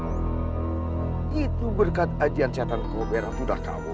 oh itu berkat ajian siatan kubera sudah tahu